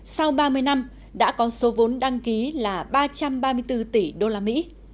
sau ba mươi năm đã có số vốn đăng ký là ba trăm ba mươi bốn tỷ usd